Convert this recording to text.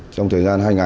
trong thời gian hai ngày